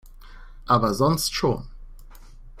Aber sonst schon.